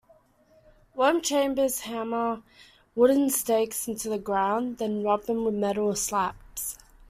Worm charmers hammer wooden stakes into the ground, then rub them with metal slabs.